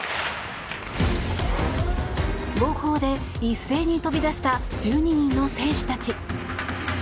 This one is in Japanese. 号砲で一斉に飛び出した１２人の選手たち。